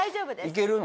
いけるの？